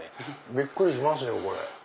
びっくりしますよこれ。